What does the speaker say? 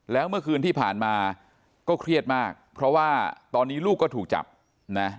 แล้วเมื่อคืนที่ผ่านมาก็เครียดมากเพราะว่าตอนนี้ลูกก็ถูกจับนะ